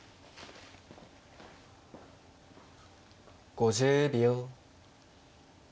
５０秒。